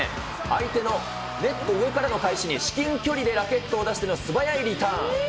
相手のネット上からの返しに、ラケットを出しての素早いリターン。